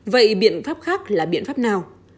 vậy biện pháp khác là biện pháp nào